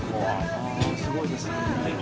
すごいですね。